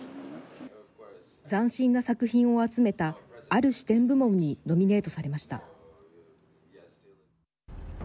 斬新な作品を集めたある視点部門にノミネートされました。